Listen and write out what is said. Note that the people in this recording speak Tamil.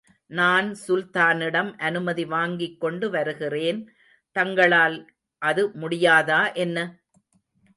நான், சுல்தானிடம் அனுமதி வாங்கிக் கொண்டு வருகிறேன். தங்களால் அது முடியாதா என்ன?